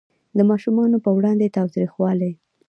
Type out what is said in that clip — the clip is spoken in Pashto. د ماشومانو په وړاندې تاوتریخوالی